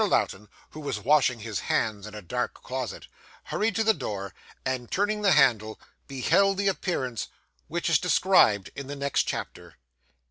Lowten, who was washing his hands in a dark closet, hurried to the door, and turning the handle, beheld the appearance which is described in the next chapter.